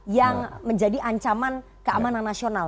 yang menjadi ancaman keamanan nasional